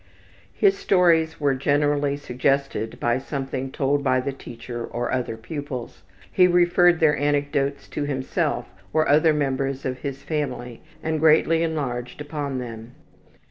His stories were generally suggested by something told by the teacher or other pupils. He referred their anecdotes to himself or other members of his family and greatly enlarged upon them.